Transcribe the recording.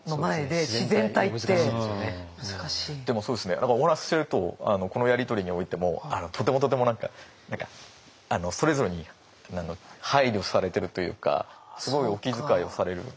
でもそうですねお話ししてるとこのやり取りにおいてもとてもとても何かそれぞれに配慮されてるというかすごいお気遣いをされる。